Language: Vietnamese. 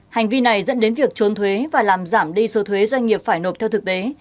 hành vi này dẫn đến việc trốn thuế và làm giảm đi số thuế doanh nghiệp phải nộp theo thực tế